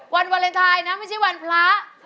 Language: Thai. วันวาเลนไทยนะไม่ใช่วันพระ